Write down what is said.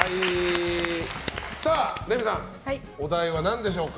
レミさん、お題は何でしょうか？